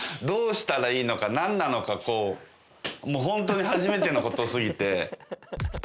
どうしたらいいのか、なんなのか、こう、もう本当に初めてのことすぎて。